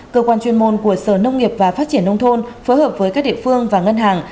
cơ quan chuyên môn của sở nông nghiệp và phát triển nông thôn phối hợp với các địa phương và ngân hàng